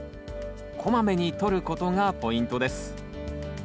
こまめにとることがポイントです。